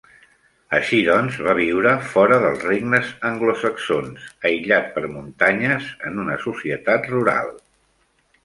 Així doncs, va viure fora dels regnes anglosaxons, aïllat per muntanyes en una societat rural.